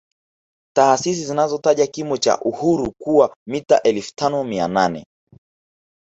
Taasisi zinataja kimo cha Uhuru kuwa mita elfu tano mia nane